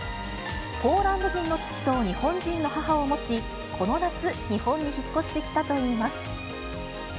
ポーランド人の父と日本人の母を持ち、この夏、日本に引っ越してきたといいます。